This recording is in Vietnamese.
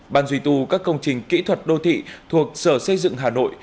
ban duy tu các công trình kỹ thuật đô thị thuộc sở xây dựng hà nội